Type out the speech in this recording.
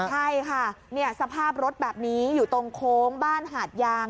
ใช่ค่ะสภาพรถแบบนี้อยู่ตรงโค้งบ้านหาดยาง